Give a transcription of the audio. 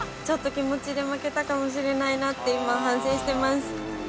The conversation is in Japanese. ちょっと気持ちで負けたかもしれないなって今反省してます。